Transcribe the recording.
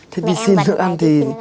thế đi xin nước ăn thì